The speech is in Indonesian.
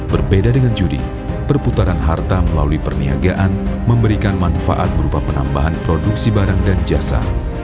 berbeda dengan judi perputaran harta melalui perniagaan memberikan manfaat berupa penambahan produksi barang dan jasa